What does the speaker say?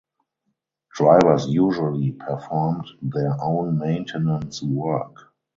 Drivers usually performed their own maintenance work.